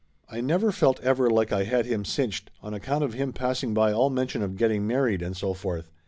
I never felt ever like I had him cinched, on account of him passing by all mention of getting married, and so forth.